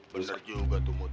bener juga tuh mut